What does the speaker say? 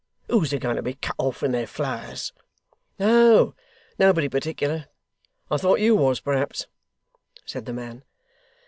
Who's a going to be cut off in their flowers?' 'Oh, nobody particular. I thought you was, perhaps,' said the man.